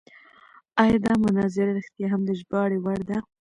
ایا دا مناظره رښتیا هم د ژباړې وړ ده؟